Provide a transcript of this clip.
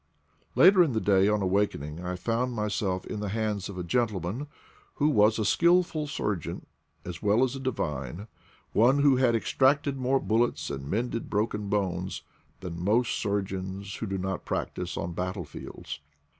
Later in the day, on awakening, I found myself in the hands of a gentleman who was a skillful surgeon as well as a divine, one who had extracted more bullets and mended broken bones than most sur geons who do not practise on battle fields.